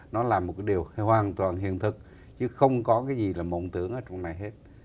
nó là một cái điều hoàn toàn hiện thực chứ không có cái gì là mộng tưởng ở trong này hết